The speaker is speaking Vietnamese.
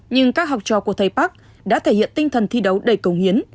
nhưng các học trò của thầy park đã thể hiện tinh thần thi đấu đầy cống hiến